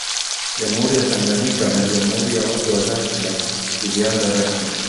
Jamhuri ya Tanganyika na Jamhuri ya Watu wa Zanzibar ilianza rasmi